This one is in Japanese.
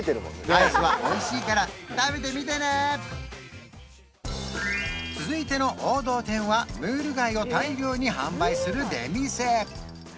アイスはおいしいから食べてみてね続いての王道店はムール貝を大量に販売する出店